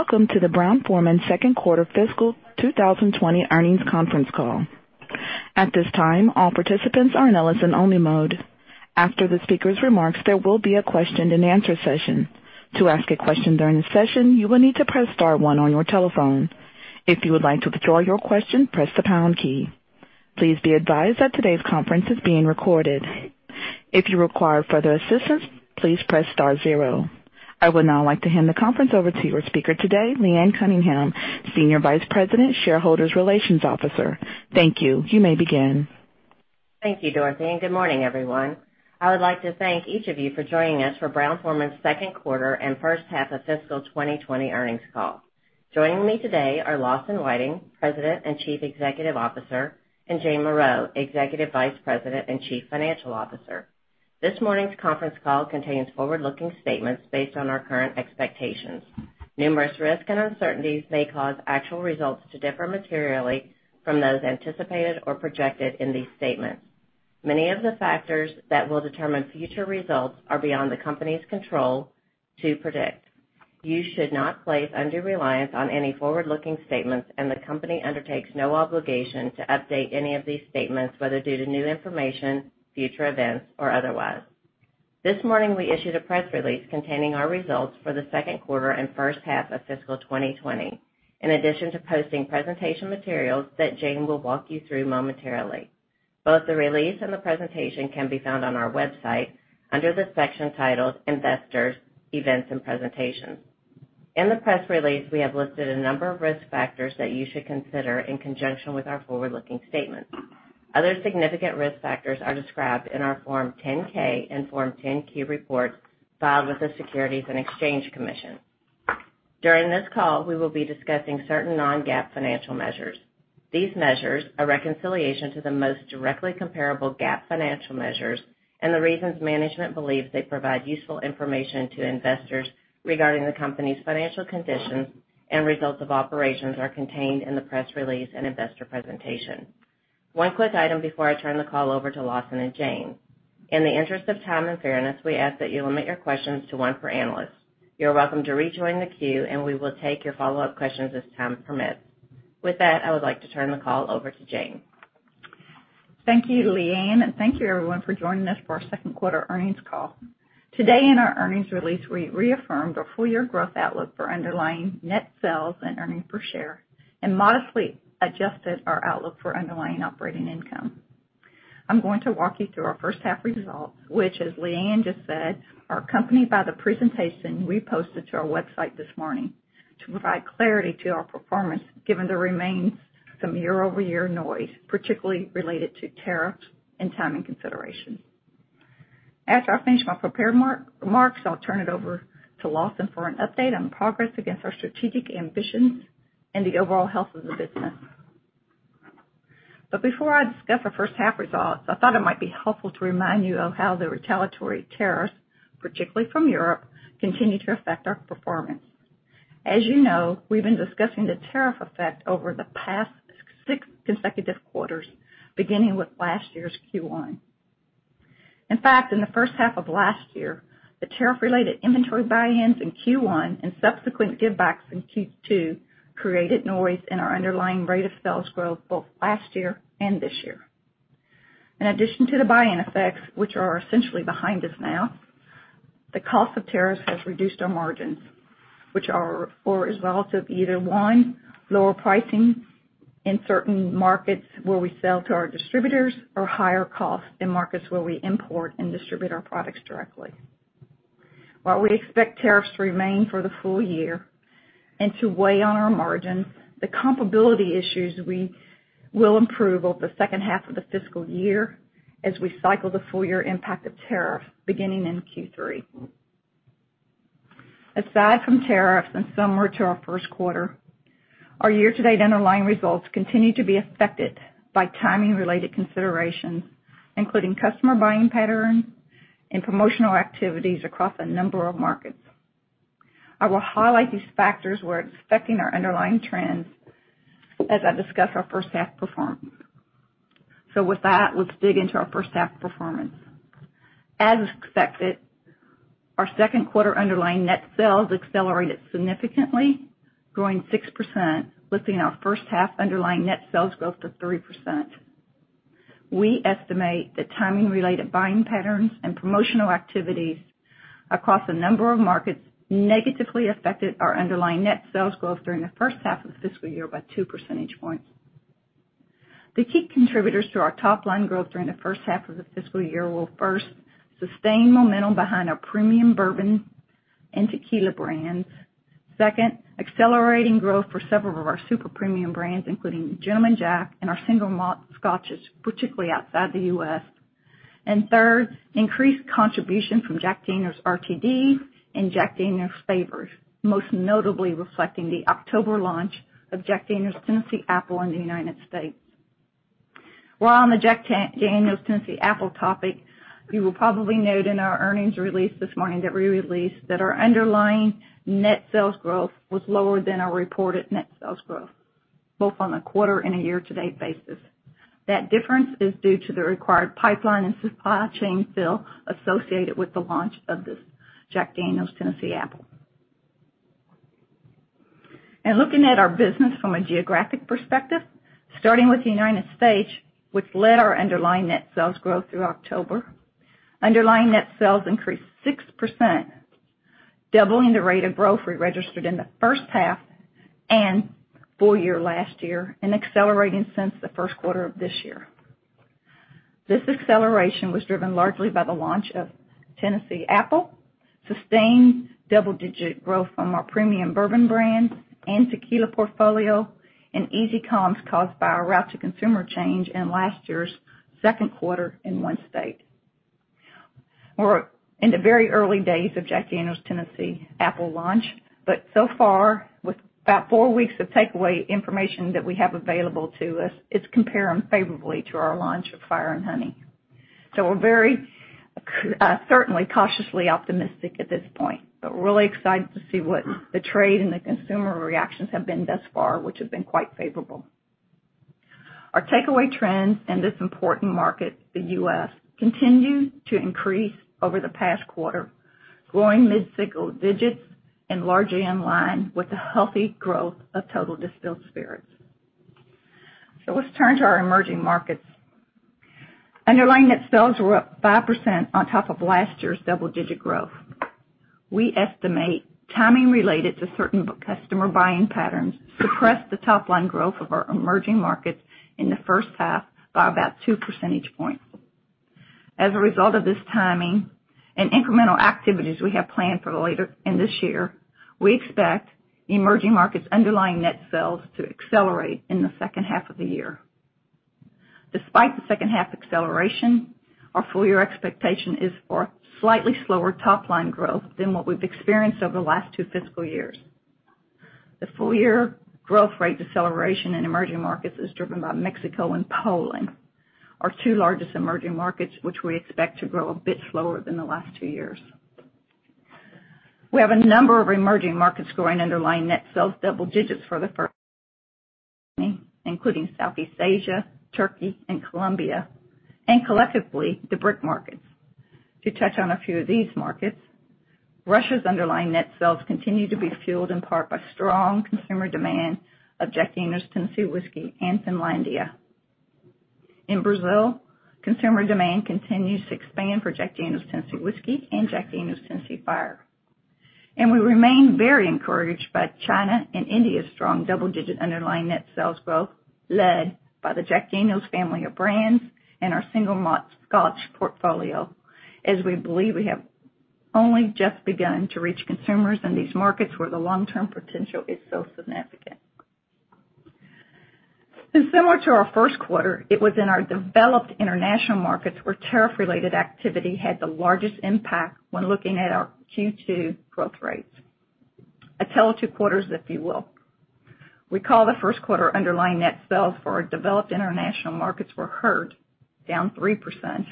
Welcome to the Brown-Forman second quarter fiscal 2020 earnings conference call. At this time, all participants are in listen only mode. After the speaker's remarks, there will be a question and answer session. To ask a question during the session, you will need to press star one on your telephone. If you would like to withdraw your question, press the pound key. Please be advised that today's conference is being recorded. If you require further assistance, please press star zero. I would now like to hand the conference over to your speaker today, Leanne Cunningham, Senior Vice President, Shareholder Relations Officer. Thank you. You may begin. Thank you, Dorothy. Good morning, everyone. I would like to thank each of you for joining us for Brown-Forman's second quarter and first half of fiscal 2020 earnings call. Joining me today are Lawson Whiting, President and Chief Executive Officer, and Jane Morreau, Executive Vice President and Chief Financial Officer. This morning's conference call contains forward-looking statements based on our current expectations. Numerous risks and uncertainties may cause actual results to differ materially from those anticipated or projected in these statements. Many of the factors that will determine future results are beyond the company's control to predict. You should not place undue reliance on any forward-looking statements, and the company undertakes no obligation to update any of these statements, whether due to new information, future events, or otherwise. This morning, we issued a press release containing our results for the second quarter and first half of fiscal 2020, in addition to posting presentation materials that Jane will walk you through momentarily. Both the release and the presentation can be found on our website under the section titled Investors Events and Presentations. In the press release, we have listed a number of risk factors that you should consider in conjunction with our forward-looking statements. Other significant risk factors are described in our Form 10-K and Form 10-Q reports filed with the Securities and Exchange Commission. During this call, we will be discussing certain non-GAAP financial measures. These measures, a reconciliation to the most directly comparable GAAP financial measures, and the reasons management believes they provide useful information to investors regarding the company's financial conditions and results of operations, are contained in the press release and investor presentation. One quick item before I turn the call over to Lawson and Jane. In the interest of time and fairness, we ask that you limit your questions to one per analyst. You're welcome to rejoin the queue, and we will take your follow-up questions as time permits. With that, I would like to turn the call over to Jane. Thank you, Leanne. Thank you, everyone, for joining us for our second quarter earnings call. Today in our earnings release, we reaffirmed our full-year growth outlook for underlying net sales and earnings per share and modestly adjusted our outlook for underlying operating income. I'm going to walk you through our first half results, which, as Leanne just said, are accompanied by the presentation we posted to our website this morning to provide clarity to our performance given there remains some year-over-year noise, particularly related to tariffs and timing considerations. After I finish my prepared remarks, I'll turn it over to Lawson for an update on progress against our strategic ambitions and the overall health of the business. Before I discuss our first half results, I thought it might be helpful to remind you of how the retaliatory tariffs, particularly from Europe, continue to affect our performance. As you know, we've been discussing the tariff effect over the past six consecutive quarters, beginning with last year's Q1. In fact, in the first half of last year, the tariff-related inventory buy-ins in Q1 and subsequent give backs in Q2 created noise in our underlying rate of sales growth both last year and this year. In addition to the buy-in effects, which are essentially behind us now, the cost of tariffs has reduced our margins, which are a result of either, one, lower pricing in certain markets where we sell to our distributors or higher costs in markets where we import and distribute our products directly. While we expect tariffs to remain for the full year and to weigh on our margins, the comparability issues will improve over the second half of the fiscal year as we cycle the full year impact of tariffs beginning in Q3. Aside from tariffs and similar to our first quarter, our year-to-date underlying results continue to be affected by timing-related considerations, including customer buying patterns and promotional activities across a number of markets. I will highlight these factors where it's affecting our underlying trends as I discuss our first half performance. With that, let's dig into our first half performance. As expected, our second quarter underlying net sales accelerated significantly, growing 6%, lifting our first half underlying net sales growth to 3%. We estimate that timing-related buying patterns and promotional activities across a number of markets negatively affected our underlying net sales growth during the first half of the fiscal year by two percentage points. The key contributors to our top-line growth during the first half of the fiscal year were, first, sustained momentum behind our premium bourbon and tequila brands. Accelerating growth for several of our super premium brands, including Gentleman Jack and our single malt scotches, particularly outside the U.S. Increased contribution from Jack Daniel's RTDs and Jack Daniel's flavors, most notably reflecting the October launch of Jack Daniel's Tennessee Apple in the U.S. While on the Jack Daniel's Tennessee Apple topic, you will probably note in our earnings release this morning that we released that our underlying net sales growth was lower than our reported net sales growth. Both on a quarter and a year-to-date basis. That difference is due to the required pipeline and supply chain fill associated with the launch of this Jack Daniel's Tennessee Apple. Looking at our business from a geographic perspective, starting with the U.S., which led our underlying net sales growth through October. Underlying net sales increased 6%, doubling the rate of growth we registered in the first half and full year last year, and accelerating since the first quarter of this year. This acceleration was driven largely by the launch of Tennessee Apple, sustained double-digit growth from our premium bourbon brands and tequila portfolio, and easy comps caused by our route to consumer change in last year's second quarter in one state. We're in the very early days of Jack Daniel's Tennessee Apple launch, but so far, with about four weeks of takeaway information that we have available to us, it's comparing favorably to our launch of Fire and Honey. We're very, certainly cautiously optimistic at this point, but really excited to see what the trade and the consumer reactions have been thus far, which have been quite favorable. Our takeaway trends in this important market, the U.S., continue to increase over the past quarter, growing mid-single digits and largely in line with the healthy growth of total distilled spirits. Let's turn to our emerging markets. Underlying net sales were up 5% on top of last year's double-digit growth. We estimate timing related to certain customer buying patterns suppressed the top line growth of our emerging markets in the first half by about two percentage points. As a result of this timing and incremental activities we have planned for later in this year, we expect emerging markets' underlying net sales to accelerate in the second half of the year. Despite the second half acceleration, our full year expectation is for slightly slower top line growth than what we've experienced over the last two fiscal years. The full year growth rate deceleration in emerging markets is driven by Mexico and Poland, our two largest emerging markets, which we expect to grow a bit slower than the last two years. We have a number of emerging markets growing underlying net sales double digits for the first including Southeast Asia, Turkey, and Colombia, and collectively, the BRIC markets. To touch on a few of these markets, Russia's underlying net sales continue to be fueled in part by strong consumer demand of Jack Daniel's Tennessee Whiskey and Finlandia. In Brazil, consumer demand continues to expand for Jack Daniel's Tennessee Whiskey and Jack Daniel's Tennessee Fire. We remain very encouraged by China and India's strong double-digit underlying net sales growth, led by the Jack Daniel's family of brands and our single malt scotch portfolio, as we believe we have only just begun to reach consumers in these markets where the long-term potential is so significant. Similar to our first quarter, it was in our developed international markets where tariff-related activity had the largest impact when looking at our Q2 growth rates. A tale of two quarters, if you will. We call the first quarter underlying net sales for our developed international markets were hurt, down 3%,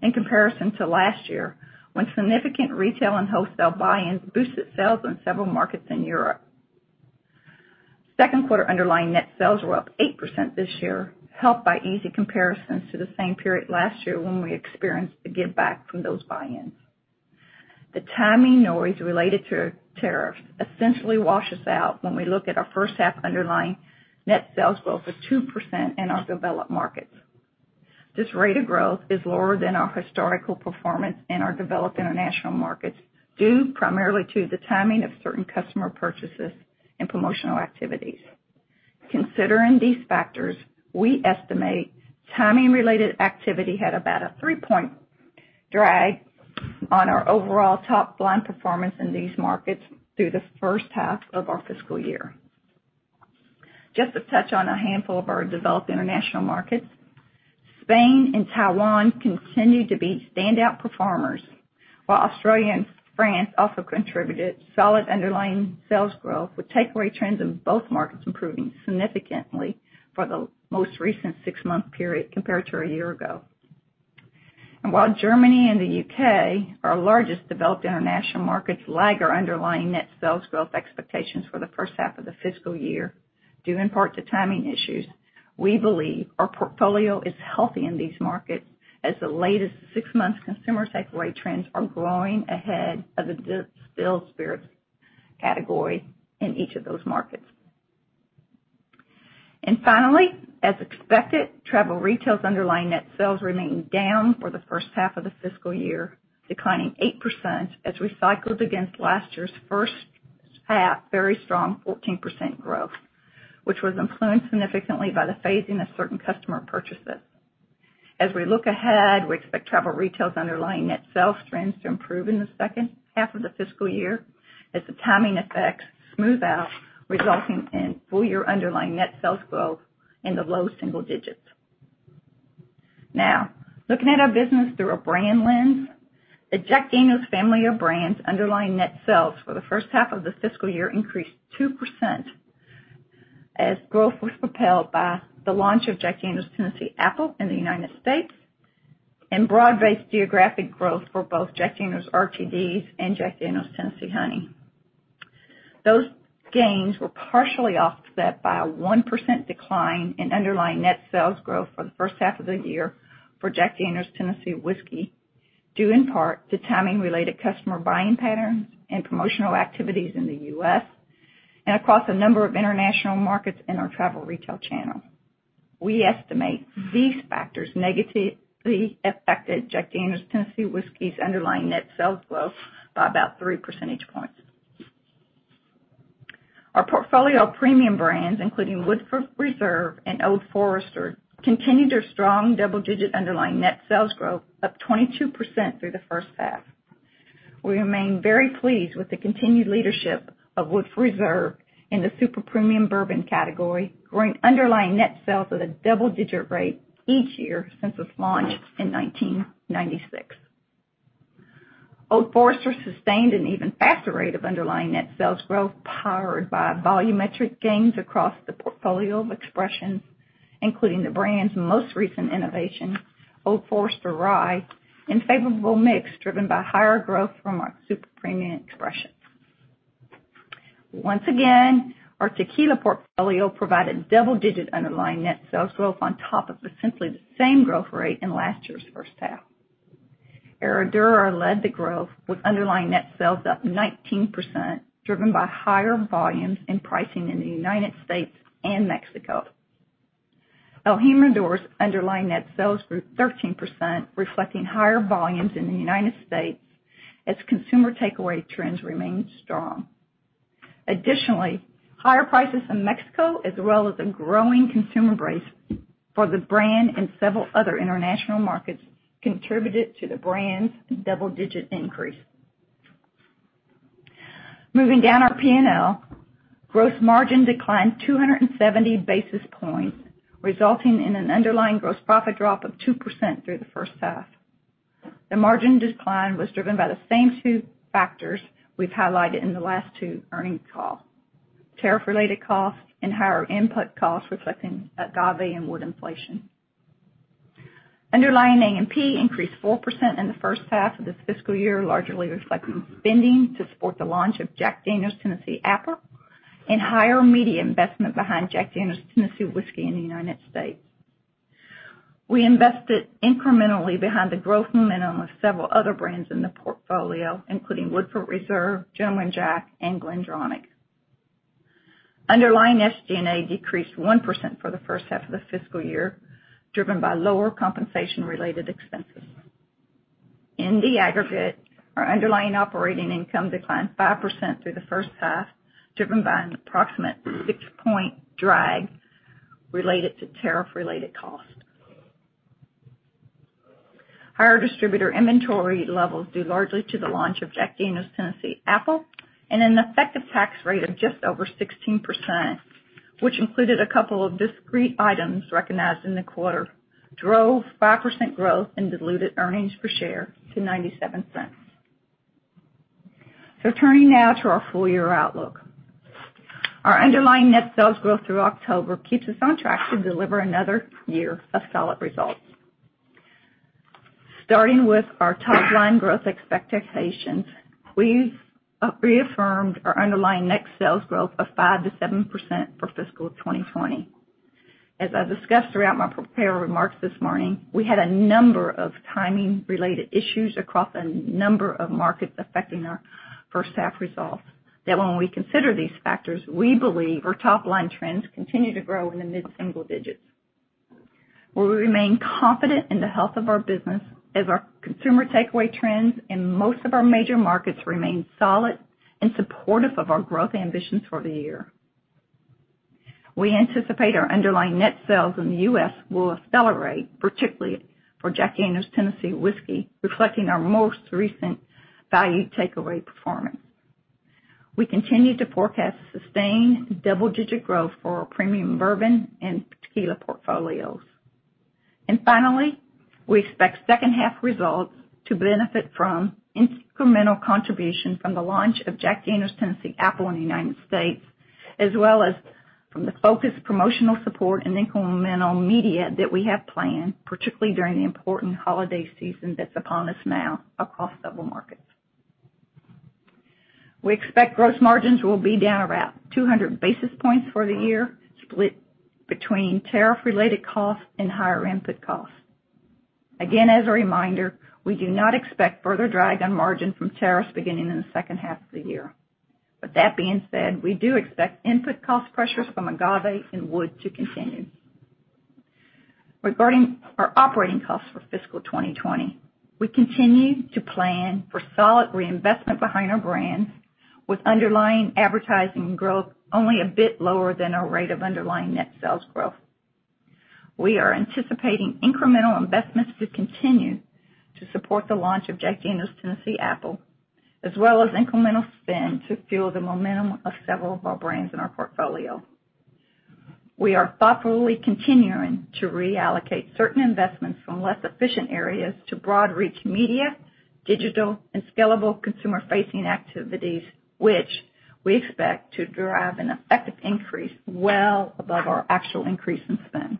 in comparison to last year, when significant retail and wholesale buy-ins boosted sales in several markets in Europe. Second quarter underlying net sales were up 8% this year, helped by easy comparisons to the same period last year when we experienced a giveback from those buy-ins. The timing noise related to tariffs essentially wash us out when we look at our first half underlying net sales growth of 2% in our developed markets. This rate of growth is lower than our historical performance in our developed international markets, due primarily to the timing of certain customer purchases and promotional activities. Considering these factors, we estimate timing-related activity had about a three-point drag on our overall top line performance in these markets through the first half of our fiscal year. Just to touch on a handful of our developed international markets, Spain and Taiwan continue to be standout performers, while Australia and France also contributed solid underlying sales growth, with takeaway trends in both markets improving significantly for the most recent six-month period compared to a year ago. While Germany and the U.K., our largest developed international markets, lag our underlying net sales growth expectations for the first half of the fiscal year, due in part to timing issues, we believe our portfolio is healthy in these markets as the latest six months consumer takeaway trends are growing ahead of the distilled spirits category in each of those markets. Finally, as expected, travel retail's underlying net sales remained down for the first half of the fiscal year, declining 8% as we cycled against last year's first half very strong 14% growth, which was influenced significantly by the phasing of certain customer purchases. As we look ahead, we expect travel retail's underlying net sales trends to improve in the second half of the fiscal year as the timing effects smooth out, resulting in full-year underlying net sales growth in the low single digits. Now, looking at our business through a brand lens, the Jack Daniel's family of brands' underlying net sales for the first half of this fiscal year increased 2% as growth was propelled by the launch of Jack Daniel's Tennessee Apple in the United States. Broad-based geographic growth for both Jack Daniel's RTDs and Jack Daniel's Tennessee Honey. Those gains were partially offset by a 1% decline in underlying net sales growth for the first half of the year for Jack Daniel's Tennessee Whiskey, due in part to timing related customer buying patterns and promotional activities in the U.S., and across a number of international markets in our travel retail channel. We estimate these factors negatively affected Jack Daniel's Tennessee Whiskey's underlying net sales growth by about three percentage points. Our portfolio of premium brands, including Woodford Reserve and Old Forester, continued their strong double-digit underlying net sales growth, up 22% through the first half. We remain very pleased with the continued leadership of Woodford Reserve in the super premium bourbon category, growing underlying net sales at a double-digit rate each year since its launch in 1996. Old Forester sustained an even faster rate of underlying net sales growth, powered by volumetric gains across the portfolio of expressions, including the brand's most recent innovation, Old Forester Rye, and favorable mix driven by higher growth from our super premium expressions. Once again, our tequila portfolio provided double-digit underlying net sales growth on top of essentially the same growth rate in last year's first half. Herradura led the growth with underlying net sales up 19%, driven by higher volumes and pricing in the U.S. and Mexico. el Jimador's underlying net sales grew 13%, reflecting higher volumes in the United States as consumer takeaway trends remained strong. Additionally, higher prices in Mexico, as well as a growing consumer base for the brand in several other international markets, contributed to the brand's double-digit increase. Moving down our P&L, gross margin declined 270 basis points, resulting in an underlying gross profit drop of 2% through the first half. The margin decline was driven by the same two factors we've highlighted in the last two earnings calls: tariff related costs and higher input costs reflecting agave and wood inflation. Underlying AMP increased 4% in the first half of this fiscal year, largely reflecting spending to support the launch of Jack Daniel's Tennessee Apple and higher media investment behind Jack Daniel's Tennessee Whiskey in the United States. We invested incrementally behind the growth momentum of several other brands in the portfolio, including Woodford Reserve, Gentleman Jack, and GlenDronach. Underlying SG&A decreased 1% for the first half of the fiscal year, driven by lower compensation-related expenses. In the aggregate, our underlying operating income declined 5% through the first half, driven by an approximate 6-point drag related to tariff-related costs. Higher distributor inventory levels, due largely to the launch of Jack Daniel's Tennessee Apple, and an effective tax rate of just over 16%, which included a couple of discrete items recognized in the quarter, drove 5% growth in diluted earnings per share to $0.97. Turning now to our full year outlook. Our underlying net sales growth through October keeps us on track to deliver another year of solid results. Starting with our top-line growth expectations, we've reaffirmed our underlying net sales growth of 5% to 7% for fiscal 2020. As I've discussed throughout my prepared remarks this morning, we had a number of timing-related issues across a number of markets affecting our first-half results, that when we consider these factors, we believe our top-line trends continue to grow in the mid-single digits, where we remain confident in the health of our business as our consumer takeaway trends in most of our major markets remain solid and supportive of our growth ambitions for the year. We anticipate our underlying net sales in the U.S. will accelerate, particularly for Jack Daniel's Tennessee Whiskey, reflecting our most recent valued takeaway performance. We continue to forecast sustained double-digit growth for our premium bourbon and tequila portfolios. Finally, we expect second half results to benefit from incremental contribution from the launch of Jack Daniel's Tennessee Apple in the U.S., as well as from the focused promotional support and incremental media that we have planned, particularly during the important holiday season that's upon us now across several markets. We expect gross margins will be down around 200 basis points for the year, split between tariff related costs and higher input costs. Again, as a reminder, we do not expect further drag on margin from tariffs beginning in the second half of the year. That being said, we do expect input cost pressures from agave and wood to continue. Regarding our operating costs for fiscal 2020, we continue to plan for solid reinvestment behind our brands, with underlying advertising growth only a bit lower than our rate of underlying net sales growth. We are anticipating incremental investments to continue to support the launch of Jack Daniel's Tennessee Apple, as well as incremental spend to fuel the momentum of several of our brands in our portfolio. We are thoughtfully continuing to reallocate certain investments from less efficient areas to broad reach media, digital and scalable consumer-facing activities, which we expect to drive an effective increase well above our actual increase in spend.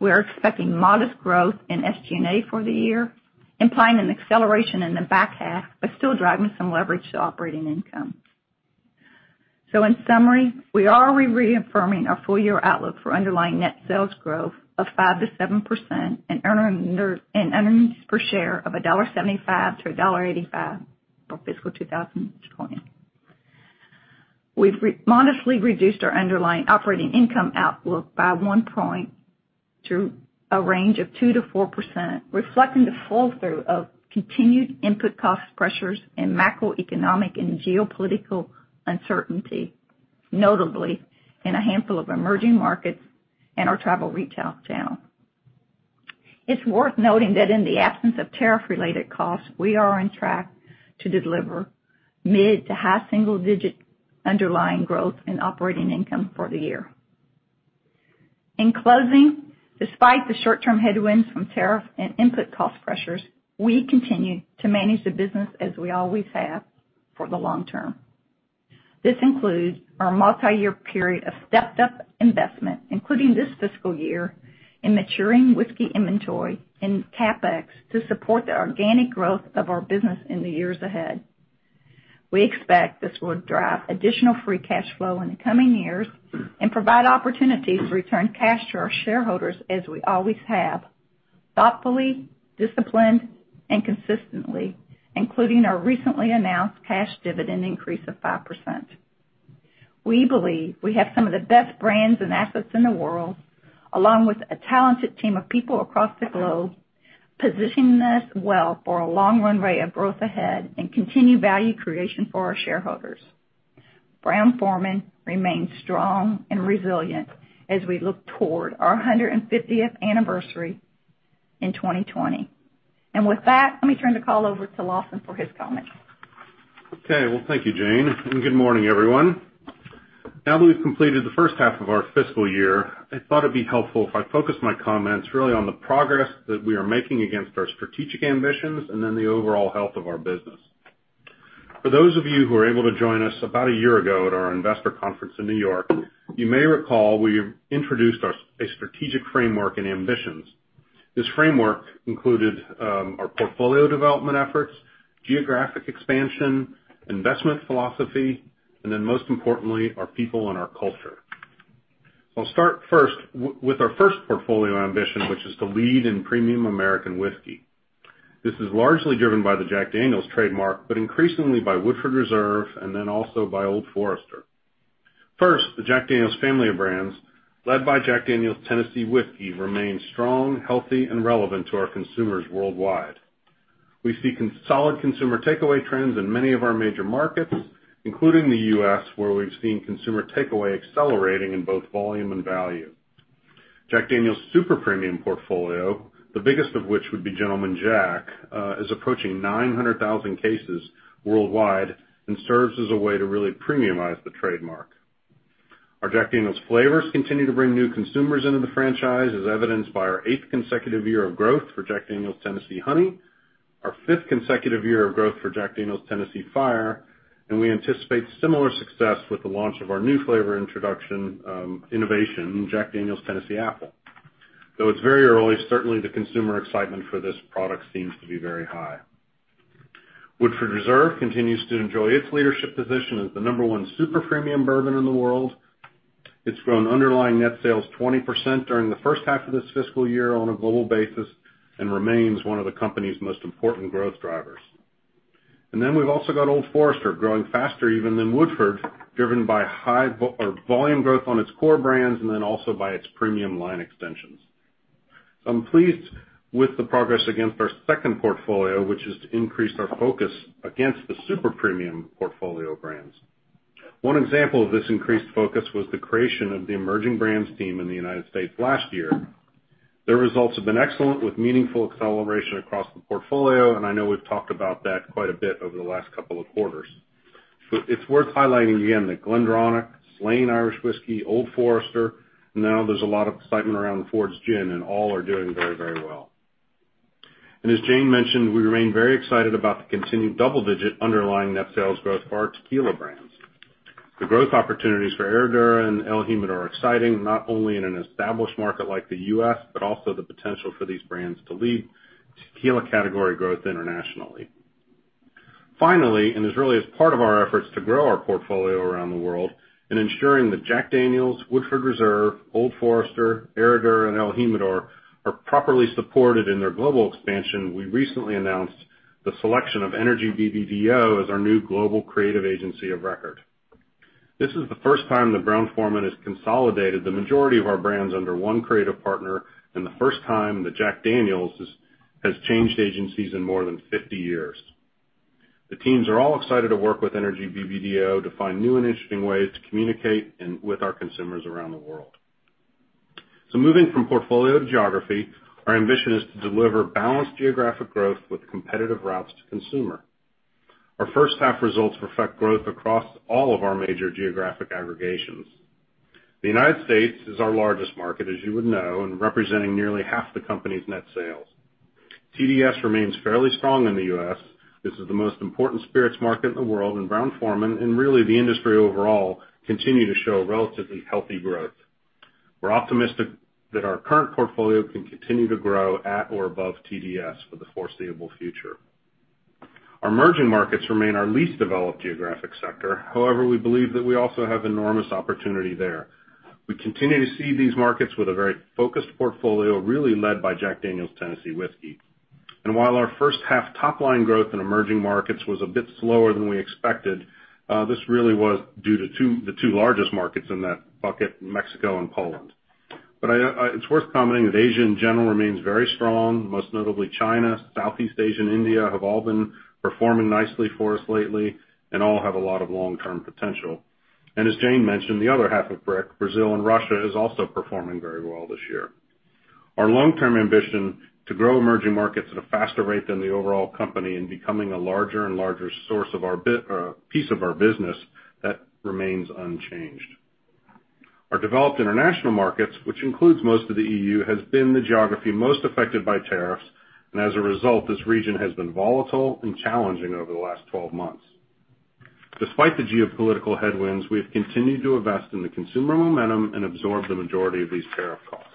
We're expecting modest growth in SG&A for the year, implying an acceleration in the back half, but still driving some leverage to operating income. In summary, we are reaffirming our full-year outlook for underlying net sales growth of 5%-7% and earnings per share of $1.75-$1.85 for fiscal 2020. We've modestly reduced our underlying operating income outlook by one point to a range of 2%-4%, reflecting the fall-through of continued input cost pressures and macroeconomic and geopolitical uncertainty, notably in a handful of emerging markets and our travel retail channel. It's worth noting that in the absence of tariff-related costs, we are on track to deliver mid to high single-digit underlying growth in operating income for the year. In closing, despite the short-term headwinds from tariff and input cost pressures, we continue to manage the business as we always have for the long term. This includes our multi-year period of stepped-up investment, including this fiscal year, in maturing whiskey inventory and CapEx to support the organic growth of our business in the years ahead. We expect this will drive additional free cash flow in the coming years and provide opportunities to return cash to our shareholders as we always have, thoughtfully, disciplined, and consistently, including our recently announced cash dividend increase of 5%. We believe we have some of the best brands and assets in the world, along with a talented team of people across the globe, positioning us well for a long runway of growth ahead and continued value creation for our shareholders. Brown-Forman remains strong and resilient as we look toward our 150th anniversary in 2020. With that, let me turn the call over to Lawson for his comments. Okay. Well, thank you, Jane. Good morning, everyone. Now that we've completed the first half of our fiscal year, I thought it'd be helpful if I focus my comments really on the progress that we are making against our strategic ambitions and the overall health of our business. For those of you who were able to join us about a year ago at our investor conference in New York, you may recall we introduced a strategic framework and ambitions. This framework included our portfolio development efforts, geographic expansion, investment philosophy, and most importantly, our people and our culture. I'll start first with our first portfolio ambition, which is to lead in premium American whiskey. This is largely driven by the Jack Daniel's trademark, but increasingly by Woodford Reserve and also by Old Forester. First, the Jack Daniel's family of brands, led by Jack Daniel's Tennessee Whiskey, remains strong, healthy, and relevant to our consumers worldwide. We see solid consumer takeaway trends in many of our major markets, including the U.S., where we've seen consumer takeaway accelerating in both volume and value. Jack Daniel's super premium portfolio, the biggest of which would be Gentleman Jack, is approaching 900,000 cases worldwide and serves as a way to really premiumize the trademark. Our Jack Daniel's flavors continue to bring new consumers into the franchise, as evidenced by our eighth consecutive year of growth for Jack Daniel's Tennessee Honey, our fifth consecutive year of growth for Jack Daniel's Tennessee Fire, and we anticipate similar success with the launch of our new flavor introduction innovation, Jack Daniel's Tennessee Apple. Though it's very early, certainly the consumer excitement for this product seems to be very high. Woodford Reserve continues to enjoy its leadership position as the number one super premium bourbon in the world. It's grown underlying net sales 20% during the first half of this fiscal year on a global basis and remains one of the company's most important growth drivers. We've also got Old Forester growing faster even than Woodford, driven by volume growth on its core brands and then also by its premium line extensions. I'm pleased with the progress against our second portfolio, which is to increase our focus against the super premium portfolio brands. One example of this increased focus was the creation of the emerging brands team in the U.S. last year. The results have been excellent with meaningful acceleration across the portfolio, and I know we've talked about that quite a bit over the last couple of quarters. It's worth highlighting again that GlenDronach, Slane Irish Whiskey, Old Forester, now there's a lot of excitement around Fords Gin, and all are doing very, very well. As Jane mentioned, we remain very excited about the continued double-digit underlying net sales growth for our tequila brands. The growth opportunities for Herradura and el Jimador are exciting, not only in an established market like the U.S., but also the potential for these brands to lead tequila category growth internationally. Finally, as really as part of our efforts to grow our portfolio around the world and ensuring that Jack Daniel's, Woodford Reserve, Old Forester, Herradura, and el Jimador are properly supported in their global expansion, we recently announced the selection of Energy BBDO as our new global creative agency of record. This is the first time that Brown-Forman has consolidated the majority of our brands under one creative partner and the first time that Jack Daniel's has changed agencies in more than 50 years. The teams are all excited to work with Energy BBDO to find new and interesting ways to communicate with our consumers around the world. Moving from portfolio to geography, our ambition is to deliver balanced geographic growth with competitive routes to consumer. Our first half results reflect growth across all of our major geographic aggregations. The United States is our largest market, as you would know, and representing nearly half the company's net sales. TDS remains fairly strong in the U.S. This is the most important spirits market in the world, and Brown-Forman, and really the industry overall, continue to show relatively healthy growth. We're optimistic that our current portfolio can continue to grow at or above TDS for the foreseeable future. Our emerging markets remain our least developed geographic sector. However, we believe that we also have enormous opportunity there. We continue to see these markets with a very focused portfolio, really led by Jack Daniel's Tennessee Whiskey. While our first half top-line growth in emerging markets was a bit slower than we expected, this really was due to the two largest markets in that bucket, Mexico and Poland. It's worth commenting that Asia, in general, remains very strong. Most notably China, Southeast Asia, and India have all been performing nicely for us lately and all have a lot of long-term potential. As Jane mentioned, the other half of BRIC, Brazil and Russia, is also performing very well this year. Our long-term ambition to grow emerging markets at a faster rate than the overall company and becoming a larger and larger piece of our business, that remains unchanged. Our developed international markets, which includes most of the EU, has been the geography most affected by tariffs, and as a result, this region has been volatile and challenging over the last 12 months. Despite the geopolitical headwinds, we have continued to invest in the consumer momentum and absorb the majority of these tariff costs.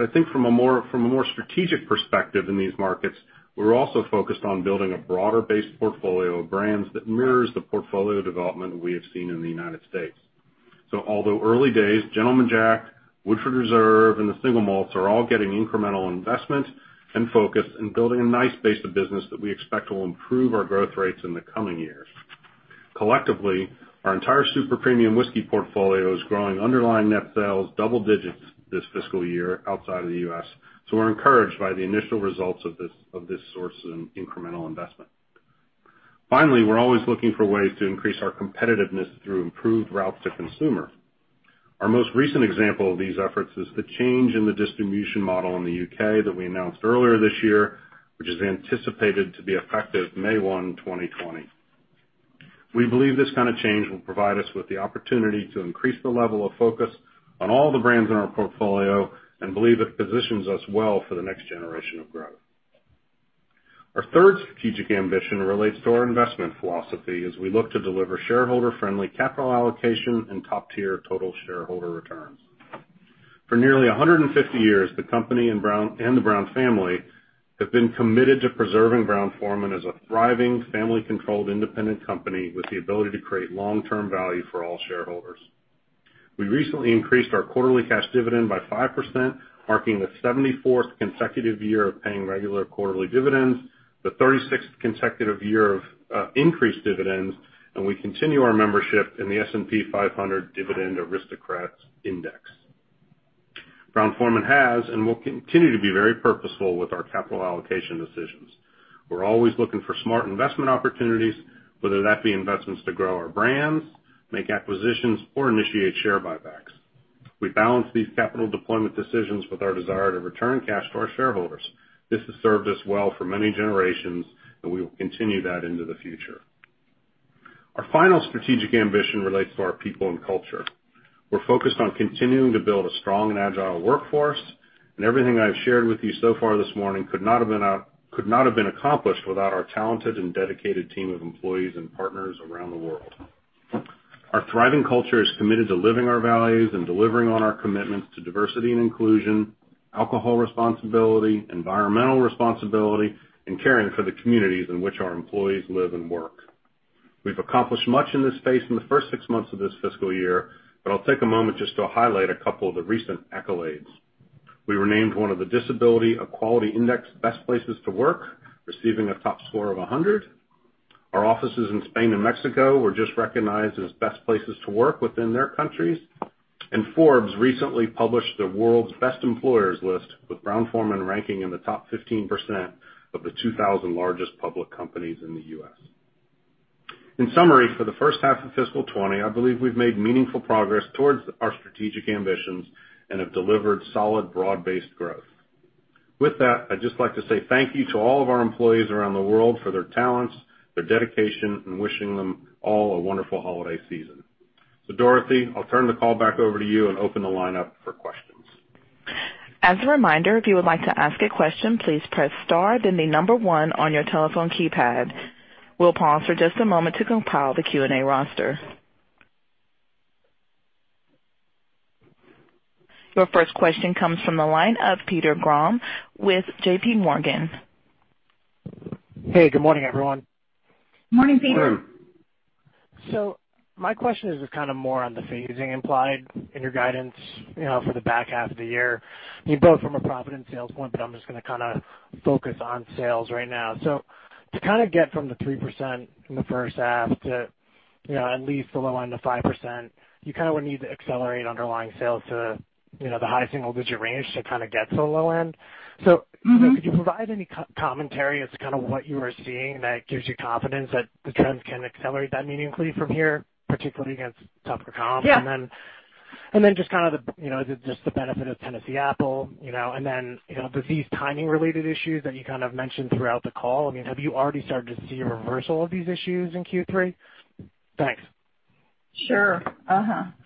I think from a more strategic perspective in these markets, we're also focused on building a broader base portfolio of brands that mirrors the portfolio development we have seen in the United States. Although early days, Gentleman Jack, Woodford Reserve, and the single malts are all getting incremental investment and focus and building a nice base of business that we expect will improve our growth rates in the coming years. Collectively, our entire super premium whiskey portfolio is growing underlying net sales double digits this fiscal year outside of the U.S. We're encouraged by the initial results of this source in incremental investment. Finally, we're always looking for ways to increase our competitiveness through improved routes to consumer. Our most recent example of these efforts is the change in the distribution model in the U.K. that we announced earlier this year, which is anticipated to be effective May 1, 2020. We believe this kind of change will provide us with the opportunity to increase the level of focus on all the brands in our portfolio and believe it positions us well for the next generation of growth. Our third strategic ambition relates to our investment philosophy as we look to deliver shareholder-friendly capital allocation and top-tier total shareholder returns. For nearly 150 years, the company and the Brown family have been committed to preserving Brown-Forman as a thriving, family-controlled independent company with the ability to create long-term value for all shareholders. We recently increased our quarterly cash dividend by 5%, marking the 74th consecutive year of paying regular quarterly dividends, the 36th consecutive year of increased dividends, and we continue our membership in the S&P 500 Dividend Aristocrats Index. Brown-Forman has, and will continue to be very purposeful with our capital allocation decisions. We're always looking for smart investment opportunities, whether that be investments to grow our brands, make acquisitions, or initiate share buybacks. We balance these capital deployment decisions with our desire to return cash to our shareholders. This has served us well for many generations. We will continue that into the future. Our final strategic ambition relates to our people and culture. We're focused on continuing to build a strong and agile workforce. Everything I've shared with you so far this morning could not have been accomplished without our talented and dedicated team of employees and partners around the world. Our thriving culture is committed to living our values and delivering on our commitments to diversity and inclusion, alcohol responsibility, environmental responsibility, and caring for the communities in which our employees live and work. We've accomplished much in this space in the first six months of this fiscal year, but I'll take a moment just to highlight a couple of the recent accolades. We were named one of the Disability Equality Index Best Places to Work, receiving a top score of 100. Our offices in Spain and Mexico were just recognized as Best Places to Work within their countries. Forbes recently published the World's Best Employers List, with Brown-Forman ranking in the top 15% of the 2,000 largest public companies in the U.S. In summary, for the first half of fiscal 2020, I believe we've made meaningful progress towards our strategic ambitions and have delivered solid, broad-based growth. With that, I'd just like to say thank you to all of our employees around the world for their talents, their dedication, and wishing them all a wonderful holiday season. Dorothy, I'll turn the call back over to you and open the line up for questions. As a reminder, if you would like to ask a question, please press star, then the number one on your telephone keypad. We'll pause for just a moment to compile the Q&A roster. Your first question comes from the line of Peter Grom with JPMorgan. Hey, good morning, everyone. Morning, Peter. My question is just kind of more on the phasing implied in your guidance for the back half of the year, both from a profit and sales point, but I'm just going to focus on sales right now. To kind of get from the 3% in the first half to at least the low end of 5%, you would need to accelerate underlying sales to the high single-digit range to get to the low end. Could you provide any commentary as to what you are seeing that gives you confidence that the trends can accelerate that meaningfully from here, particularly against tougher comps? Yeah. Just the benefit of Tennessee Apple. With these timing-related issues that you mentioned throughout the call, have you already started to see a reversal of these issues in Q3? Thanks. Sure.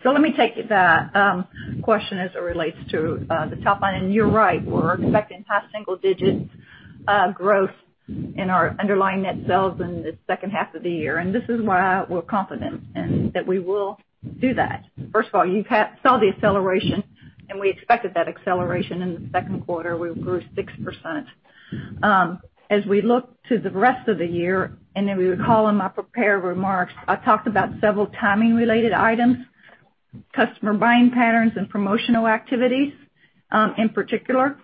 Let me take the question as it relates to the top line. You're right, we're expecting high single-digit growth in our underlying net sales in the second half of the year. This is why we're confident that we will do that. First of all, you saw the acceleration, and we expected that acceleration in the second quarter. We grew 6%. As we look to the rest of the year, we would call them our prepared remarks, I talked about several timing-related items, customer buying patterns, and promotional activities in particular.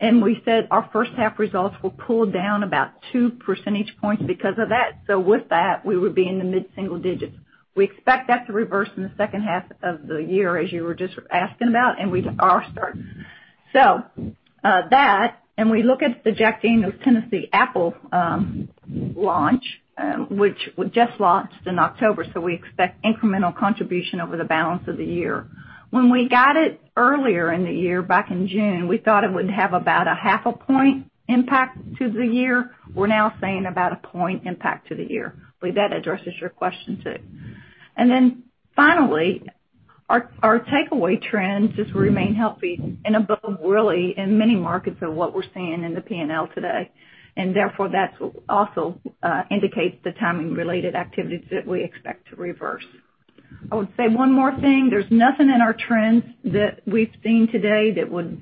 We said our first half results will pull down about two percentage points because of that. With that, we would be in the mid-single digits. We expect that to reverse in the second half of the year, as you were just asking about, and we are certain. That, and we look at the Jack Daniel's Tennessee Apple launch, which just launched in October, we expect incremental contribution over the balance of the year. When we got it earlier in the year, back in June, we thought it would have about a half a point impact to the year. We're now saying about a point impact to the year. I believe that addresses your question, too. Finally, our takeaway trends just remain healthy and above, really, in many markets of what we're seeing in the P&L today, that also indicates the timing-related activities that we expect to reverse. I would say one more thing. There's nothing in our trends that we've seen today that would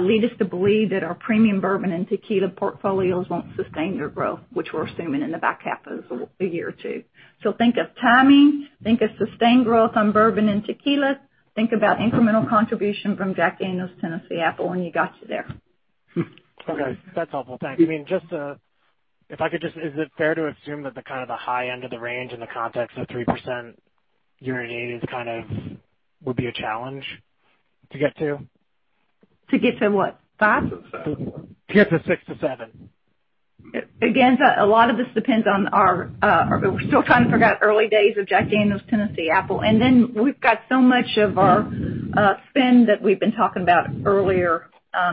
lead us to believe that our premium bourbon and tequila portfolios won't sustain their growth, which we're assuming in the back half of the year, too. Think of timing, think of sustained growth on bourbon and tequila, think about incremental contribution from Jack Daniel's Tennessee Apple, and you got you there. Okay. That's helpful. Thanks. Is it fair to assume that the high end of the range in the context of 3% year-on-year would be a challenge to get to? To get to what? Five? To get to six to seven. A lot of this depends on we're still trying to figure out early days of Jack Daniel's Tennessee Apple. We've got so much of our spend that we've been talking about earlier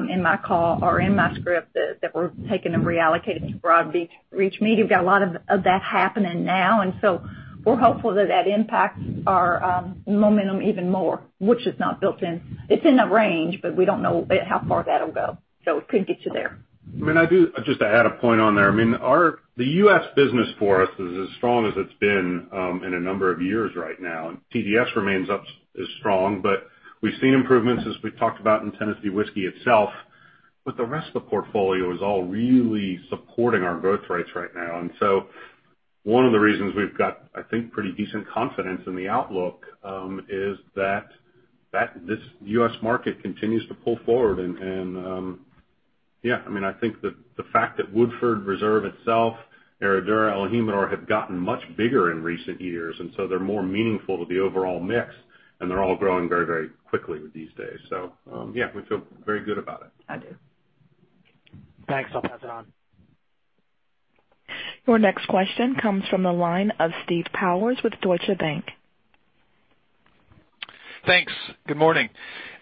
in my call or in my script, that we're taking and reallocating to broad reach media. We've got a lot of that happening now, we're hopeful that that impacts our momentum even more, which is not built in. It's in the range, we don't know how far that'll go. It could get you there. Just to add a point on there. The U.S. business for us is as strong as it's been in a number of years right now. TDS remains up as strong, but we've seen improvements as we've talked about in Tennessee Whiskey itself. The rest of the portfolio is all really supporting our growth rates right now. One of the reasons we've got, I think, pretty decent confidence in the outlook, is that this U.S. market continues to pull forward and I think that the fact that Woodford Reserve itself, Herradura, el Jimador have gotten much bigger in recent years, they're more meaningful to the overall mix, and they're all growing very, very quickly these days. Yeah, we feel very good about it. I do. Thanks. I'll pass it on. Your next question comes from the line of Steve Powers with Deutsche Bank. Thanks. Good morning.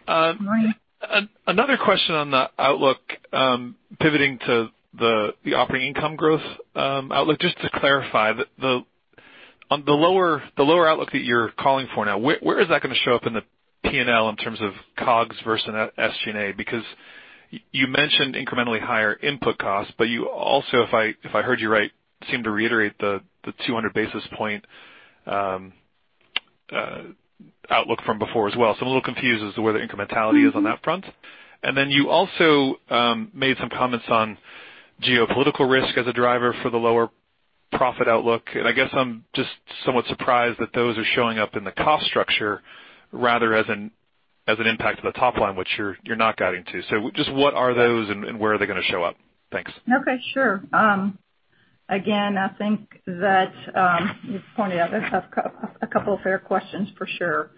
Good morning. Another question on the outlook, pivoting to the operating income growth outlook. Just to clarify, on the lower outlook that you're calling for now, where is that going to show up in the P&L in terms of COGS versus SG&A? You mentioned incrementally higher input costs, but you also, if I heard you right, seemed to reiterate the 200 basis point outlook from before as well. I'm a little confused as to where the incrementality is on that front. You also made some comments on geopolitical risk as a driver for the lower profit outlook, and I guess I'm just somewhat surprised that those are showing up in the cost structure rather as an impact to the top line, which you're not guiding to. Just what are those and where are they going to show up? Thanks. Okay, sure. I think that you've pointed out a couple of fair questions for sure.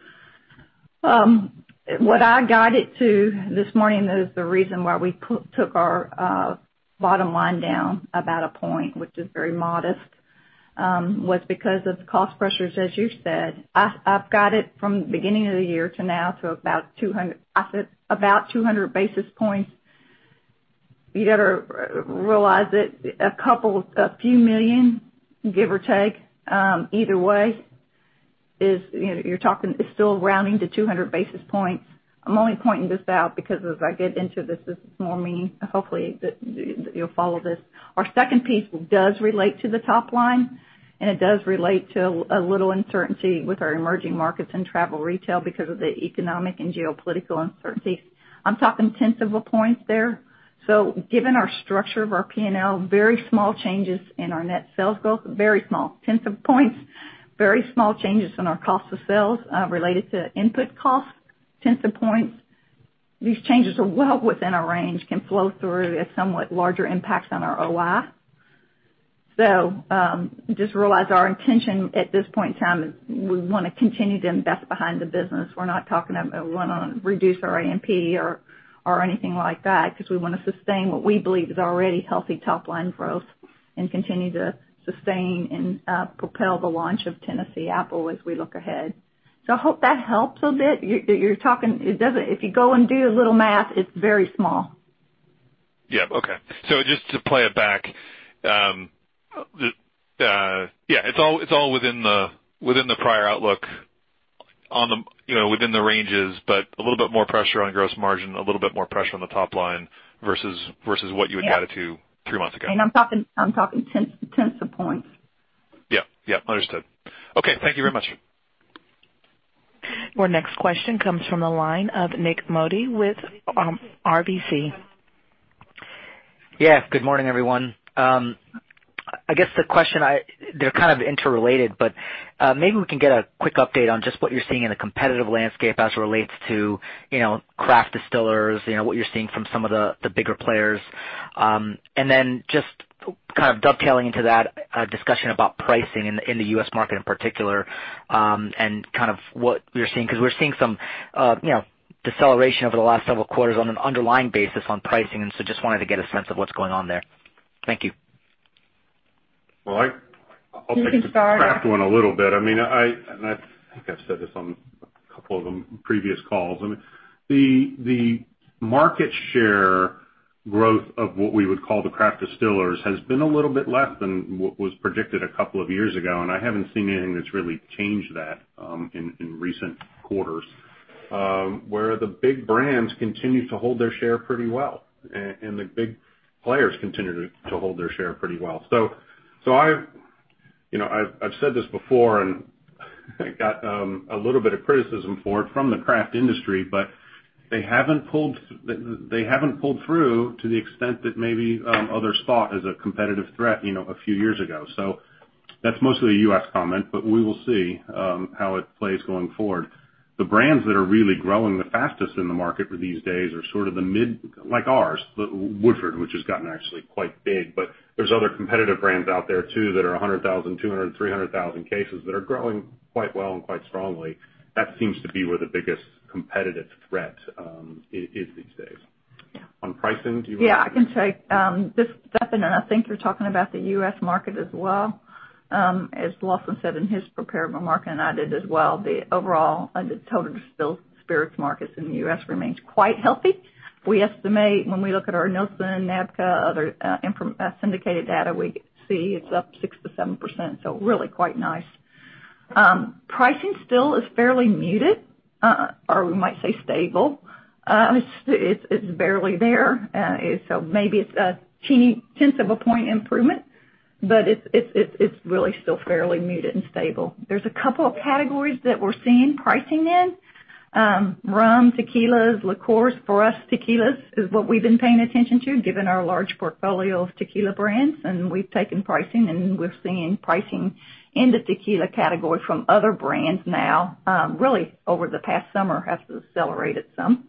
What I guided to this morning is the reason why we took our bottom line down about a point, which is very modest, was because of cost pressures, as you said. I've got it from the beginning of the year to now to about 200 basis points. You got to realize that a few million, give or take, either way, it's still rounding to 200 basis points. I'm only pointing this out because as I get into this this morning, hopefully you'll follow this. Our second piece does relate to the top line, and it does relate to a little uncertainty with our emerging markets and travel retail because of the economic and geopolitical uncertainty. I'm talking tenths of a point there. Given our structure of our P&L, very small changes in our net sales growth, very small tenths of points, very small changes in our cost of sales related to input costs, tenths of points. These changes are well within our range, can flow through at somewhat larger impacts on our OI. Just realize our intention at this point in time is we want to continue to invest behind the business. We're not talking we want to reduce our AMP or anything like that because we want to sustain what we believe is already healthy top-line growth and continue to sustain and propel the launch of Tennessee Apple as we look ahead. I hope that helps a bit. If you go and do a little math, it's very small. Yeah. Okay. Just to play it back. Yeah, it's all within the prior outlook, within the ranges, but a little bit more pressure on gross margin, a little bit more pressure on the top line versus what you had guided to three months ago. I'm talking tenths of points. Yeah. Understood. Okay. Thank you very much. Our next question comes from the line of Nik Modi with RBC. Good morning, everyone. I guess the question, they're kind of interrelated, but maybe we can get a quick update on just what you're seeing in the competitive landscape as it relates to craft distillers, what you're seeing from some of the bigger players. Just kind of dovetailing into that, a discussion about pricing in the U.S. market in particular, and kind of what you're seeing. We're seeing some deceleration over the last several quarters on an underlying basis on pricing, just wanted to get a sense of what's going on there. Thank you. Well, I'll take the craft one a little bit. I think I've said this on a couple of the previous calls. The market share growth of what we would call the craft distillers has been a little bit less than what was predicted a couple of years ago, and I haven't seen anything that's really changed that in recent quarters, where the big brands continue to hold their share pretty well, and the big players continue to hold their share pretty well. I've said this before, and got a little bit of criticism for it from the craft industry, but they haven't pulled through to the extent that maybe others thought as a competitive threat a few years ago. That's mostly a U.S. comment, but we will see how it plays going forward. The brands that are really growing the fastest in the market these days are sort of the mid, like ours, Woodford, which has gotten actually quite big. There's other competitive brands out there too that are 100,000, 200,000, 300,000 cases that are growing quite well and quite strongly. That seems to be where the biggest competitive threat is these days. Yeah. On pricing, do you want to? I can say this, [definitely], and I think you're talking about the U.S. market as well. As Lawson said in his prepared remarks, and I did as well, the overall total distilled spirits markets in the U.S. remains quite healthy. We estimate when we look at our Nielsen, NABCA, other syndicated data, we see it's up 6%-7%, so really quite nice. Pricing still is fairly muted, or we might say stable. It's barely there. Maybe it's a tiny tenth of a point improvement, but it's really still fairly muted and stable. There's a couple of categories that we're seeing pricing in. Rum, tequilas, liqueurs. For us, tequilas is what we've been paying attention to, given our large portfolio of tequila brands, and we've taken pricing, and we're seeing pricing in the tequila category from other brands now, really over the past summer has accelerated some.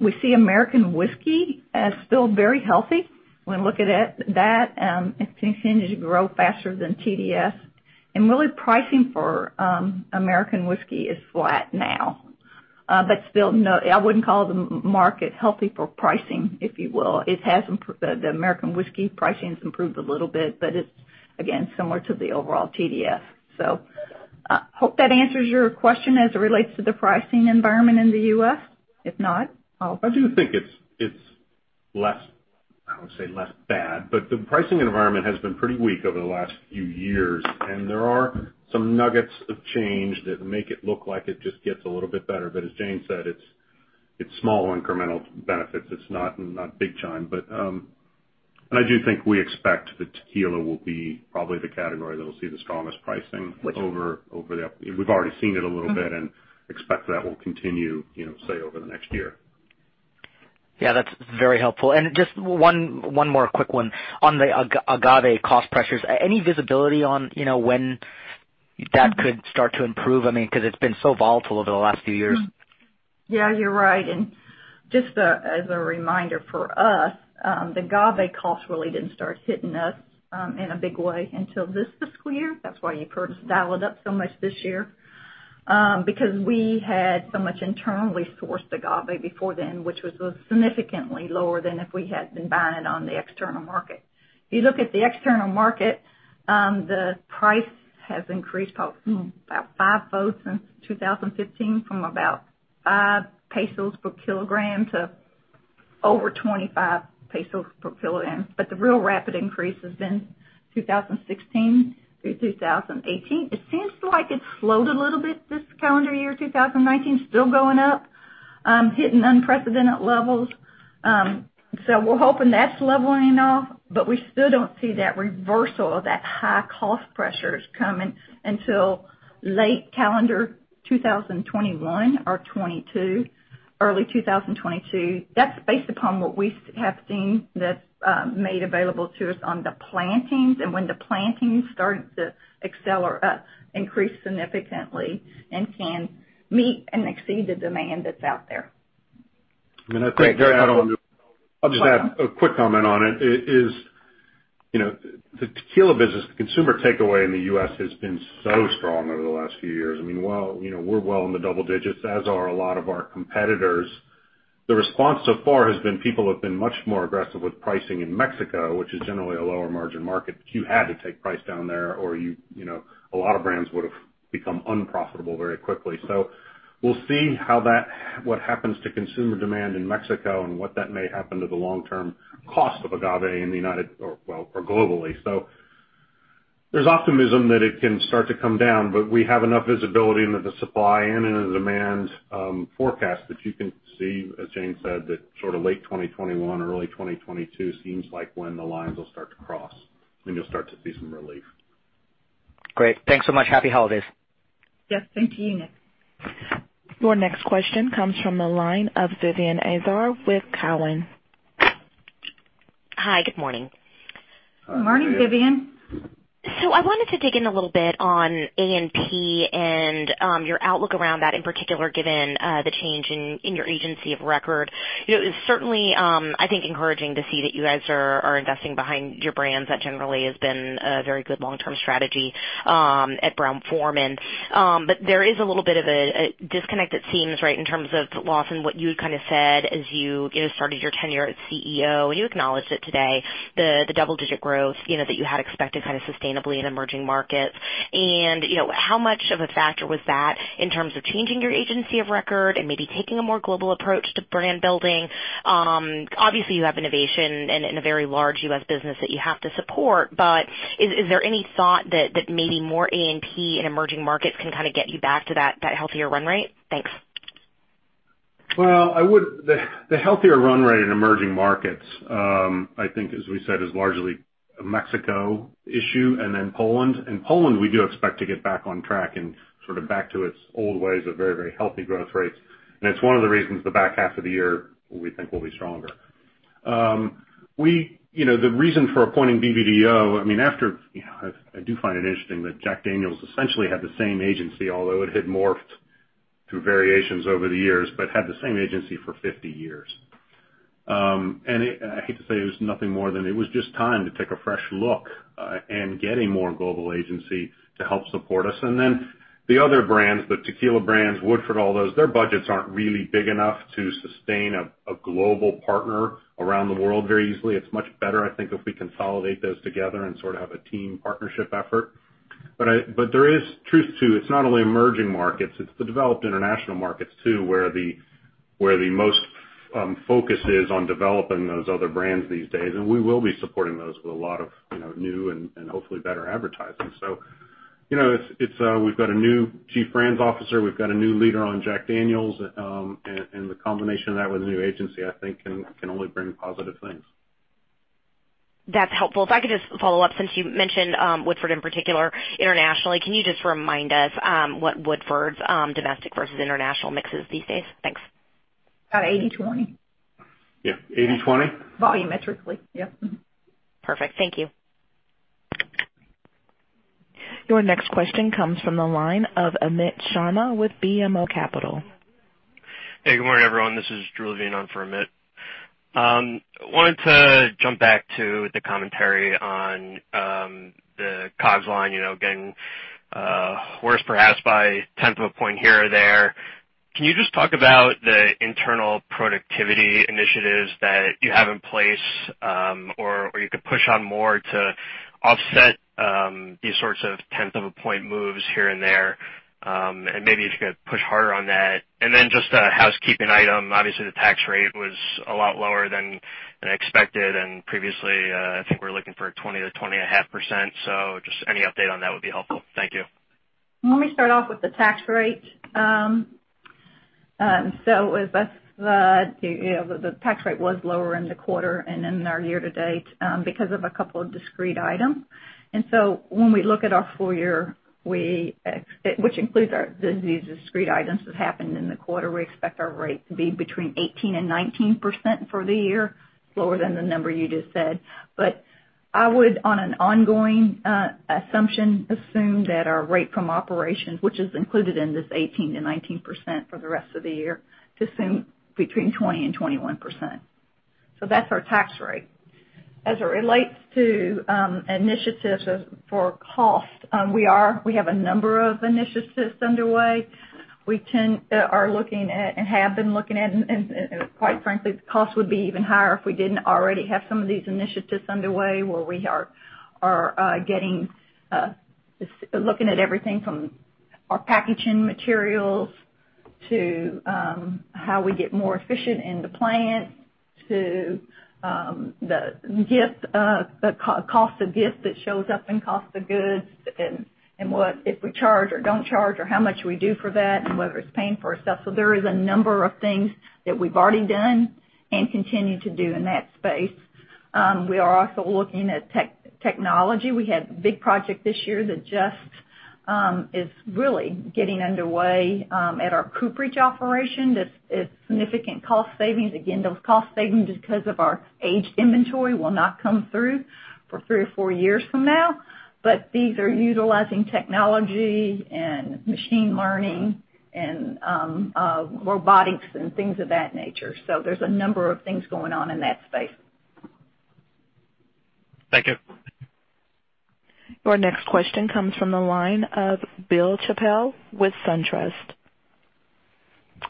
We see American whiskey as still very healthy. When we look at that, it continues to grow faster than TDS. Really pricing for American whiskey is flat now. Still, no, I wouldn't call the market healthy for pricing, if you will. The American whiskey pricing's improved a little bit, but it's again, similar to the overall TDS. Hope that answers your question as it relates to the pricing environment in the U.S. I do think it's less, I wouldn't say less bad, but the pricing environment has been pretty weak over the last few years, and there are some nuggets of change that make it look like it just gets a little bit better. As Jane said, it's small incremental benefits. It's not big time. I do think we expect the tequila will be probably the category that'll see the strongest pricing. We've already seen it a little bit and expect that will continue, say, over the next year. Yeah, that's very helpful. Just one more quick one. On the agave cost pressures, any visibility on when that could start to improve? Because it's been so volatile over the last few years. Just as a reminder for us, the agave cost really didn't start hitting us in a big way until this fiscal year. That's why you've heard us dial it up so much this year. We had so much internally sourced agave before then, which was significantly lower than if we had been buying it on the external market. You look at the external market, the price has increased about fivefold since 2015, from about 5 pesos per kilogram to over 25 pesos per kilogram. The real rapid increase has been 2016 through 2018. It seems like it's slowed a little bit this calendar year, 2019. Still going up, hitting unprecedented levels. We're hoping that's leveling off, but we still don't see that reversal of that high cost pressures coming until late calendar 2021 or early 2022. That's based upon what we have seen that's made available to us on the plantings and when the plantings start to increase significantly and can meet and exceed the demand that's out there. I think, Nik, I'll just add a quick comment on it, is the tequila business, the consumer takeaway in the U.S. has been so strong over the last few years. We're well in the double digits, as are a lot of our competitors. The response so far has been people have been much more aggressive with pricing in Mexico, which is generally a lower margin market. You had to take price down there or a lot of brands would've become unprofitable very quickly. We'll see what happens to consumer demand in Mexico and what that may happen to the long-term cost of agave or globally. There's optimism that it can start to come down, but we have enough visibility into the supply and into the demand forecast that you can see, as Jane said, that late 2021, early 2022 seems like when the lines will start to cross, and you'll start to see some relief. Great. Thanks so much. Happy holidays. Yes, thank you. Next. Your next question comes from the line of Vivien Azer with Cowen. Hi, good morning. Morning, Vivien. I wanted to dig in a little bit on A&P and your outlook around that, in particular, given the change in your agency of record. It's certainly, I think, encouraging to see that you guys are investing behind your brands. That generally has been a very good long-term strategy at Brown-Forman. There is a little bit of a disconnect, it seems, right, in terms of Lawson, what you had kind of said as you started your tenure as CEO, and you acknowledged it today, the double-digit growth that you had expected kind of sustainably in emerging markets. How much of a factor was that in terms of changing your agency of record and maybe taking a more global approach to brand building? Obviously, you have innovation and a very large U.S. business that you have to support, but is there any thought that maybe more A&P in emerging markets can kind of get you back to that healthier run rate? Thanks. Well, the healthier run rate in emerging markets, I think, as we said, is largely a Mexico issue and then Poland. In Poland, we do expect to get back on track and sort of back to its old ways of very healthy growth rates. It's one of the reasons the back half of the year, we think, will be stronger. The reason for appointing BBDO, I do find it interesting that Jack Daniel's essentially had the same agency, although it had morphed through variations over the years, but had the same agency for 50 years. I hate to say it was nothing more than it was just time to take a fresh look and get a more global agency to help support us. The other brands, the tequila brands, Woodford, all those, their budgets aren't really big enough to sustain a global partner around the world very easily. It's much better, I think, if we consolidate those together and sort of have a team partnership effort. There is truth, too. It's not only emerging markets, it's the developed international markets, too, where the most focus is on developing those other brands these days. We will be supporting those with a lot of new and hopefully better advertising. We've got a new chief brands officer, we've got a new leader on Jack Daniel's. The combination of that with a new agency, I think, can only bring positive things. That's helpful. If I could just follow up, since you mentioned Woodford in particular internationally, can you just remind us what Woodford's domestic versus international mix is these days? Thanks. About 80/20. Yeah. 80/20? Volumetrically. Yep. Perfect. Thank you. Your next question comes from the line of Amit Sharma with BMO Capital. Hey, good morning, everyone. This is Drew Levine on for Amit. I wanted to jump back to the commentary on the COGS line, getting worse perhaps by a tenth of a point here or there. Can you just talk about the internal productivity initiatives that you have in place or you could push on more to offset these sorts of tenth-of-a-point moves here and there, and maybe if you could push harder on that? Just a housekeeping item. Obviously, the tax rate was a lot lower than expected and previously, I think we're looking for 20%-20.5%. Just any update on that would be helpful. Thank you. Let me start off with the tax rate. The tax rate was lower in the quarter and in our year to date because of a couple of discrete items. When we look at our full year, which includes these discrete items that happened in the quarter, we expect our rate to be between 18%-19% for the year, lower than the number you just said. I would, on an ongoing assumption, assume that our rate from operations, which is included in this 18%-19% for the rest of the year, to assume between 20%-21%. That's our tax rate. As it relates to initiatives for cost, we have a number of initiatives underway. We are looking at and have been looking at, quite frankly, the cost would be even higher if we didn't already have some of these initiatives underway where we are looking at everything from our packaging materials to how we get more efficient in the plant to the cost of gift that shows up in cost of goods and if we charge or don't charge or how much we do for that and whether it's paying for itself. There is a number of things that we've already done and continue to do in that space. We are also looking at technology. We had a big project this year that just is really getting underway at our Cooperage operation that's significant cost savings. Again, those cost savings, because of our aged inventory, will not come through for three or four years from now. These are utilizing technology and machine learning and robotics and things of that nature. There's a number of things going on in that space. Thank you. Your next question comes from the line of Bill Chappell with SunTrust.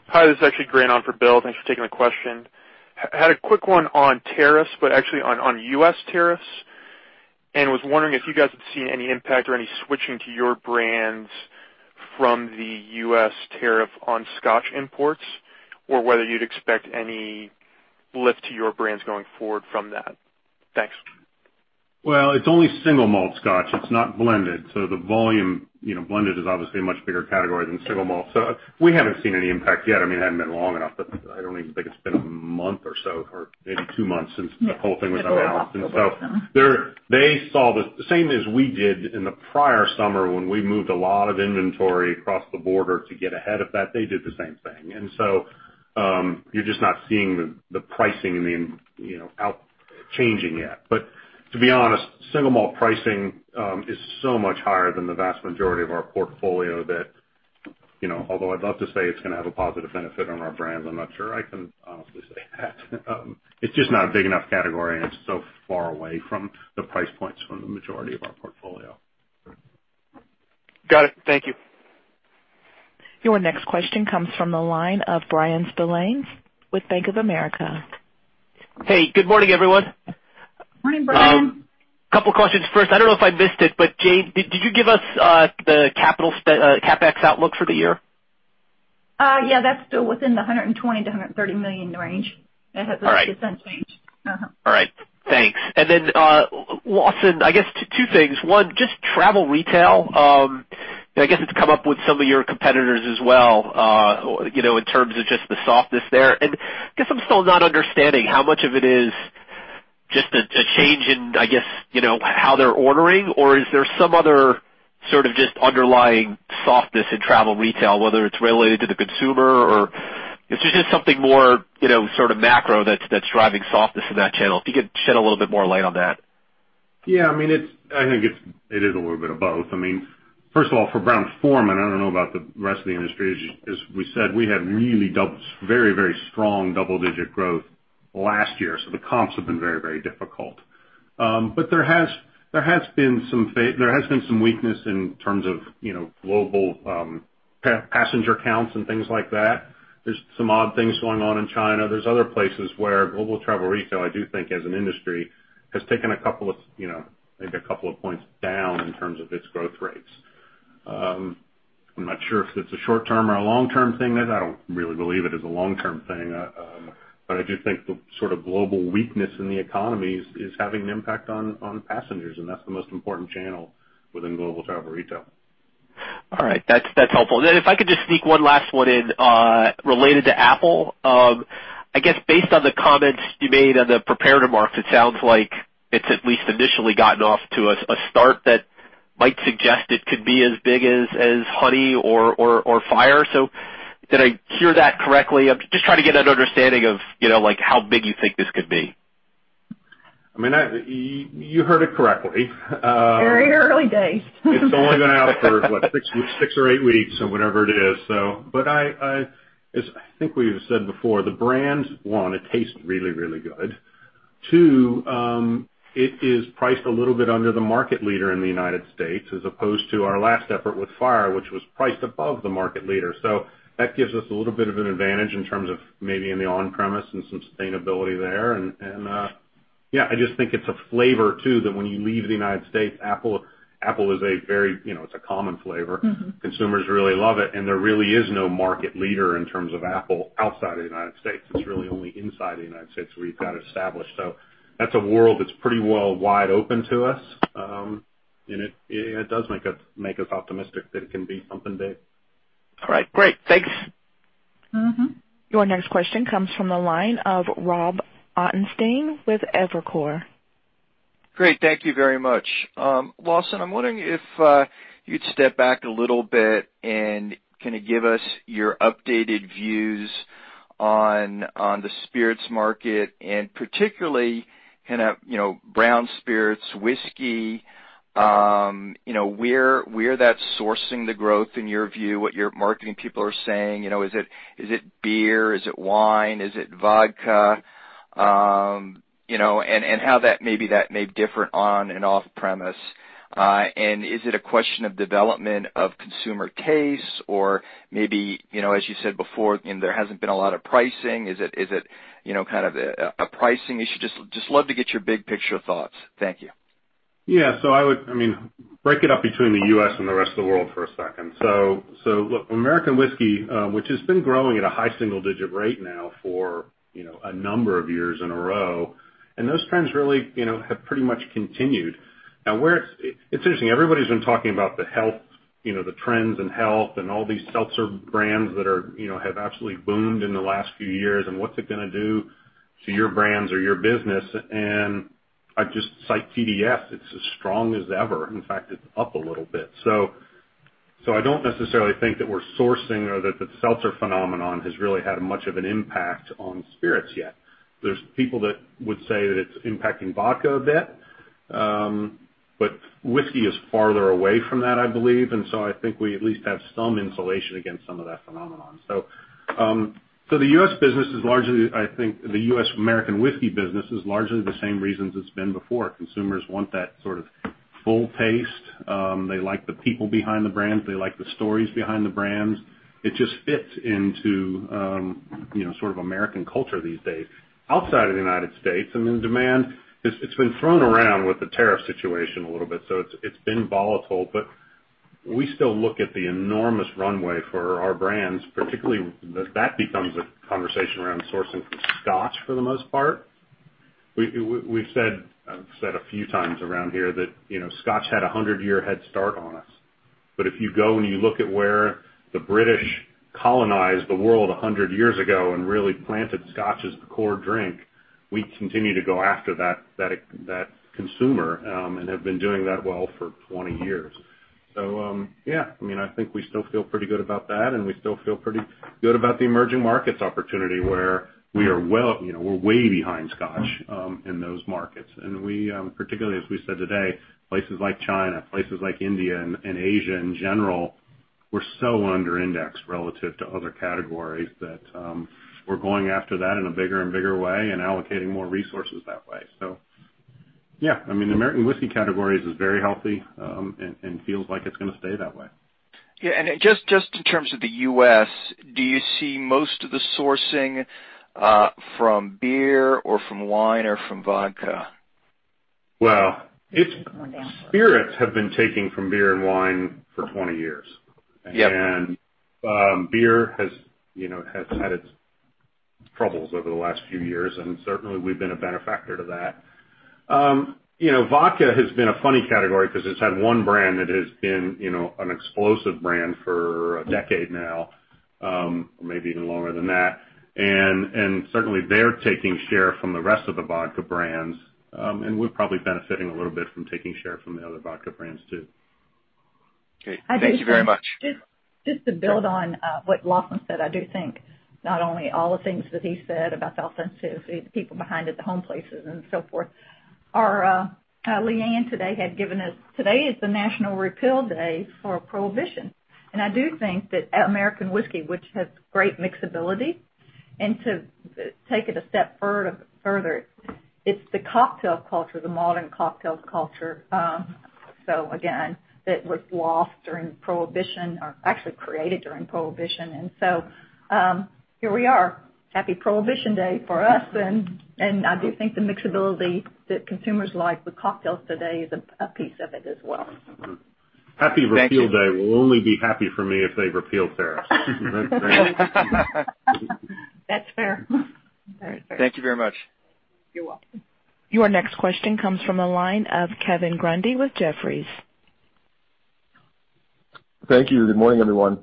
Hi, this is actually Grant on for Bill. Thanks for taking the question. Had a quick one on tariffs, but actually on U.S. tariffs, was wondering if you guys have seen any impact or any switching to your brands? from the U.S. tariff on Scotch imports or whether you'd expect any lift to your brands going forward from that. Thanks. Well, it's only single malt Scotch. It's not blended. The volume, blended is obviously a much bigger category than single malt. We haven't seen any impact yet. I mean, it hadn't been long enough, but I don't even think it's been a month or so, or maybe 2 months since the whole thing was announced. They saw the same as we did in the prior summer when we moved a lot of inventory across the border to get ahead of that, they did the same thing. You're just not seeing the pricing out changing yet. To be honest, single malt pricing is so much higher than the vast majority of our portfolio that, although I'd love to say it's going to have a positive benefit on our brands, I'm not sure I can honestly say that. It's just not a big enough category, and it's so far away from the price points from the majority of our portfolio. Got it. Thank you. Your next question comes from the line of Bryan Spillane with Bank of America. Hey, good morning, everyone. Morning, Bryan. Couple questions. First, I don't know if I missed it, but Jane, did you give us the CapEx outlook for the year? That's still within the $120 million-$130 million range. All right. It hasn't changed. Mm-hmm. Thanks. Lawson, I guess two things. One, just travel retail. I guess it's come up with some of your competitors as well, in terms of just the softness there. I guess I'm still not understanding how much of it is just a change in, I guess, how they're ordering, or is there some other sort of just underlying softness in travel retail, whether it's related to the consumer, or is this just something more sort of macro that's driving softness in that channel? If you could shed a little bit more light on that. I think it is a little bit of both. First of all, for Brown-Forman, I don't know about the rest of the industry, as we said, we had really very strong double-digit growth last year, so the comps have been very difficult. There has been some weakness in terms of global passenger counts and things like that. There's some odd things going on in China. There's other places where global travel retail, I do think as an industry, has taken maybe a couple of points down in terms of its growth rates. I'm not sure if it's a short term or a long term thing. I don't really believe it is a long term thing. I do think the sort of global weakness in the economies is having an impact on passengers, and that's the most important channel within global travel retail. All right. That's helpful. If I could just sneak one last one in, related to Apple. I guess based on the comments you made on the prepared remarks, it sounds like it's at least initially gotten off to a start that might suggest it could be as big as Honey or Fire. Did I hear that correctly? I'm just trying to get an understanding of how big you think this could be. You heard it correctly. Very early days. It's only been out for what? Six or eight weeks or whatever it is. I think we've said before, the brand, one, it tastes really good. Two, it is priced a little bit under the market leader in the U.S., as opposed to our last effort with Fire, which was priced above the market leader. That gives us a little bit of an advantage in terms of maybe in the on-premise and some sustainability there. Yeah, I just think it's a flavor, too, that when you leave the U.S., Apple is a very common flavor. Consumers really love it. There really is no market leader in terms of Apple outside of the U.S. It's really only inside the U.S. where you've got it established. That's a world that's pretty wide open to us. It does make us optimistic that it can be something big. All right. Great. Thanks. Your next question comes from the line of Rob Ottenstein with Evercore. Great. Thank you very much. Lawson, I'm wondering if you'd step back a little bit and kind of give us your updated views on the spirits market and particularly brown spirits, whiskey. Where that's sourcing the growth in your view, what your marketing people are saying, is it beer? Is it wine? Is it vodka? How that may be different on and off premise. Is it a question of development of consumer taste or maybe, as you said before, there hasn't been a lot of pricing. Is it kind of a pricing issue? Just love to get your big picture thoughts. Thank you. Yeah. I would break it up between the U.S. and the rest of the world for a second. Look, American whiskey, which has been growing at a high single-digit rate now for a number of years in a row, and those trends really have pretty much continued. It's interesting, everybody's been talking about the health trends and all these seltzer brands that have absolutely boomed in the last few years, and what's it going to do to your brands or your business? I just cite TDS, it's as strong as ever. In fact, it's up a little bit. I don't necessarily think that we're sourcing or that the seltzer phenomenon has really had much of an impact on spirits yet. There's people that would say that it's impacting vodka a bit. Whiskey is farther away from that, I believe. I think we at least have some insulation against some of that phenomenon. The U.S. American whiskey business is largely the same reasons it's been before. Consumers want that sort of full taste. They like the people behind the brands. They like the stories behind the brands. It just fits into sort of American culture these days. Outside of the United States, and the demand, it's been thrown around with the tariff situation a little bit, so it's been volatile. We still look at the enormous runway for our brands, particularly that becomes a conversation around sourcing for Scotch for the most part. I've said a few times around here that Scotch had a 100-year head start on us. If you go and you look at where the British colonized the world 100 years ago and really planted Scotch as the core drink, we continue to go after that consumer, and have been doing that well for 20 years. Yeah, I think we still feel pretty good about that, and we still feel pretty good about the emerging markets opportunity where we're way behind Scotch in those markets. Particularly, as we said today, places like China, places like India and Asia, in general, we're so under indexed relative to other categories that we're going after that in a bigger and bigger way and allocating more resources that way. Yeah. American whiskey category is just very healthy, and feels like it's going to stay that way. Yeah. Just in terms of the U.S., do you see most of the sourcing from beer or from wine or from vodka? Well, spirits have been taking from beer and wine for 20 years. Yep. Beer has had its troubles over the last few years, and certainly we've been a benefactor to that. Vodka has been a funny category because it's had one brand that has been an explosive brand for a decade now, or maybe even longer than that. Certainly, they're taking share from the rest of the vodka brands. We're probably benefiting a little bit from taking share from the other vodka brands, too. Okay. Thank you very much. Just to build on what Lawson said, I do think not only all the things that he said about the offensive, the people behind it, the home places and so forth, our Leanne today had given us. Today is the National Repeal Day for Prohibition. I do think that American whiskey, which has great mixability, and to take it a step further, it's the cocktail culture, the modern cocktail culture. Again, that was lost during Prohibition or actually created during Prohibition. Here we are, happy Prohibition Day for us. I do think the mixability that consumers like with cocktails today is a piece of it as well. Thank you. Happy Repeal Day will only be happy for me if they repeal tariffs. That's fair. Thank you very much. You're welcome. Your next question comes from the line of Kevin Grundy with Jefferies. Thank you. Good morning, everyone.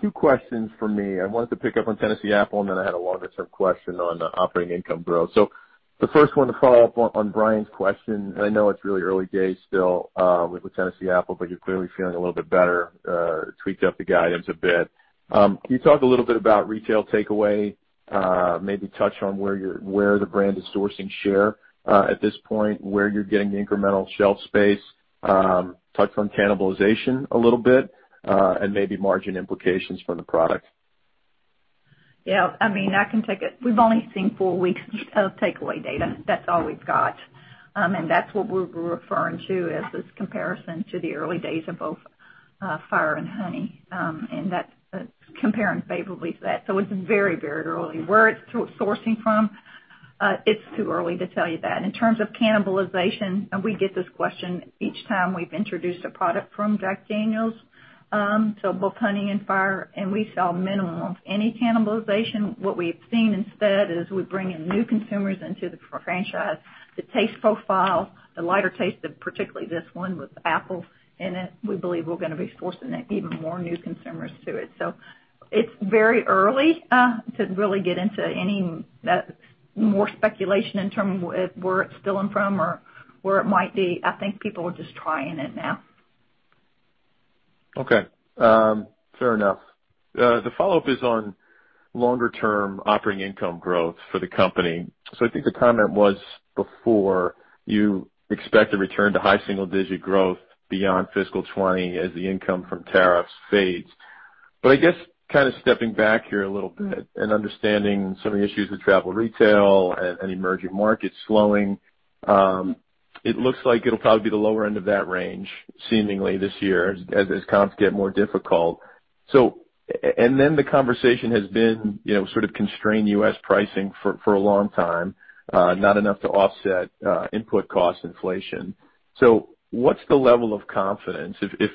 Two questions for me. I wanted to pick up on Tennessee Apple, and then I had a longer-term question on operating income growth. The first one to follow up on Bryan's question, and I know it's really early days still with Tennessee Apple, but you're clearly feeling a little bit better, tweaked up the guidance a bit. Can you talk a little bit about retail takeaway, maybe touch on where the brand is sourcing share, at this point, where you're getting the incremental shelf space, touch on cannibalization a little bit, and maybe margin implications for the product? Yeah. We've only seen four weeks of takeaway data. That's all we've got. That's what we're referring to as this comparison to the early days of both Fire and Honey, and that's comparing favorably to that. It's very early. Where it's sourcing from, it's too early to tell you that. In terms of cannibalization, we get this question each time we've introduced a product from Jack Daniel's, both Honey and Fire, we saw minimum of any cannibalization. What we've seen instead is we bring in new consumers into the franchise. The taste profile, the lighter taste of particularly this one with the apple in it, we believe we're going to be sourcing even more new consumers to it. It's very early to really get into any more speculation in terms of where it's spilling from or where it might be. I think people are just trying it now. Okay. Fair enough. The follow-up is on longer term operating income growth for the company. I think the comment was before you expect a return to high single-digit growth beyond fiscal 2020 as the income from tariffs fades. I guess stepping back here a little bit and understanding some of the issues with travel retail and emerging markets slowing, it looks like it'll probably be the lower end of that range seemingly this year as comps get more difficult. The conversation has been sort of constrained U.S. pricing for a long time, not enough to offset input cost inflation. What's the level of confidence? If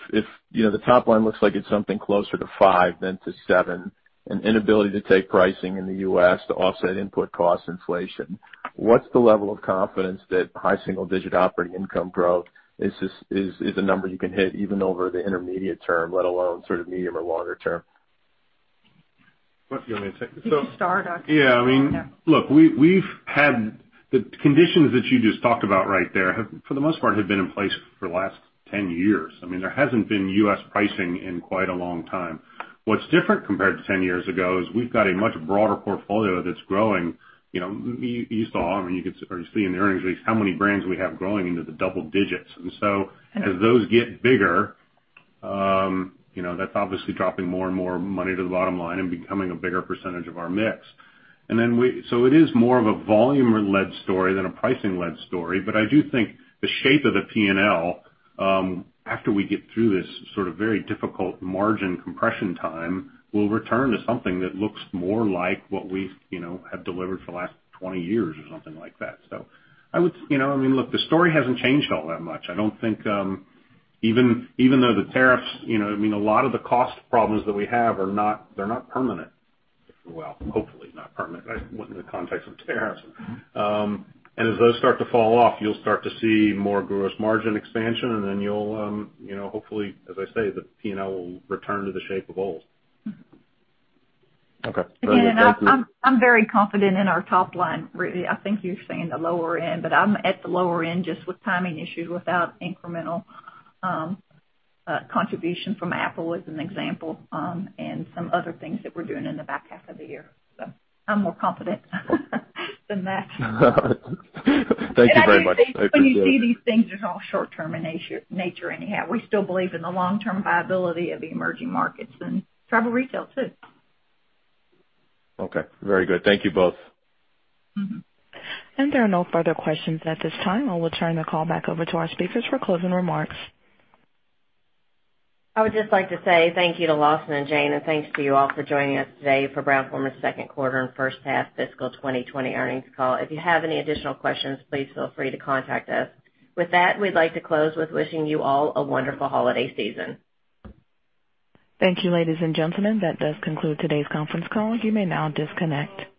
the top line looks like it's something closer to five than to seven, an inability to take pricing in the U.S. to offset input cost inflation, what's the level of confidence that high single digit operating income growth is a number you can hit even over the intermediate term, let alone sort of medium or longer term? You want me to take this? You can start. Yeah. Okay. Look, the conditions that you just talked about right there, for the most part, have been in place for the last 10 years. There hasn't been U.S. pricing in quite a long time. What's different compared to 10 years ago is we've got a much broader portfolio that's growing. You saw, or you see in the earnings release how many brands we have growing into the double digits. As those get bigger, that's obviously dropping more and more money to the bottom line and becoming a bigger percentage of our mix. It is more of a volume-led story than a pricing-led story. I do think the shape of the P&L, after we get through this sort of very difficult margin compression time, will return to something that looks more like what we have delivered for the last 20 years or something like that. Look, the story hasn't changed all that much. I don't think, even though the tariffs. A lot of the cost problems that we have are not permanent. Well, hopefully not permanent, within the context of tariffs. As those start to fall off, you'll start to see more gross margin expansion, and then you'll, hopefully, as I say, the P&L will return to the shape of old. Okay. I'm very confident in our top line, really. I think you're saying the lower end, but I'm at the lower end just with timing issues without incremental contribution from Apple, as an example, and some other things that we're doing in the back half of the year. I'm more confident than that. Thank you very much. I appreciate it. When you see these things, they're all short-term in nature anyhow. We still believe in the long-term viability of the emerging markets and travel retail, too. Okay. Very good. Thank you both. There are no further questions at this time. I will turn the call back over to our speakers for closing remarks. I would just like to say thank you to Lawson and Jane. Thanks to you all for joining us today for Brown-Forman's second quarter and first half fiscal 2020 earnings call. If you have any additional questions, please feel free to contact us. With that, we'd like to close with wishing you all a wonderful holiday season. Thank you, ladies and gentlemen. That does conclude today's conference call. You may now disconnect.